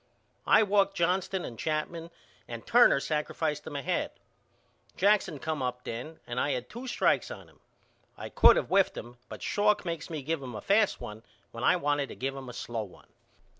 I walked Johnston and Chapman and Turner sacrificed them ahead. Jackson come up then and I had two strikes on him. I could of whiffed him but Schalk makes me give him a fast one when I wanted to give him a slow one.